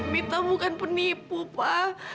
mita bukan penipu papa